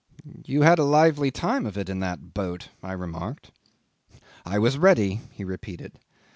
..." '"You had a lively time of it in that boat," I remarked '"I was ready," he repeated.